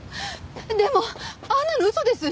でもあんなの嘘です！